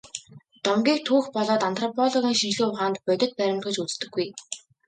Домгийг түүх болоод антропологийн шинжлэх ухаанд бодит баримт гэж үздэггүй.